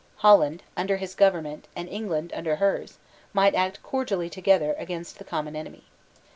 Holland, under his government, and England under hers, might act cordially together against the common enemy.